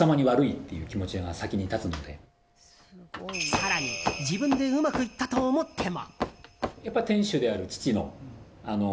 更に、自分でうまくいったと思っても。